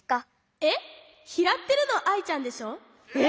えっ？きらってるのはアイちゃんでしょ？